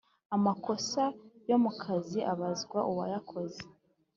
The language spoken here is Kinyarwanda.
Amakosa yo mu kazi abazwa uwayakoze.